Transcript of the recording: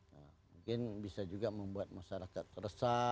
nah mungkin bisa juga membuat masyarakat resah